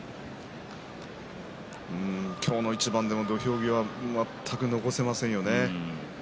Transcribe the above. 今日の一番でも土俵際全く残せませんよね。